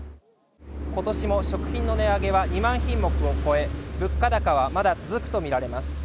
今年も食品の値上げは２万品目を超え物価高はまだ続くとみられます。